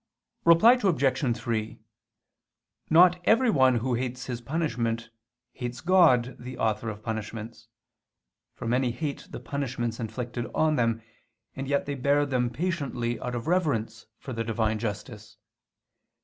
Reply Obj. 3: Not everyone who hates his punishment, hates God the author of punishments. For many hate the punishments inflicted on them, and yet they bear them patiently out of reverence for the Divine justice.